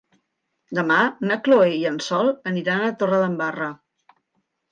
Demà na Chloé i en Sol aniran a Torredembarra.